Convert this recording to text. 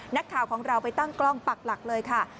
นักข่าวของเราไปตั้งกล้องปักหลักเลยค่ะ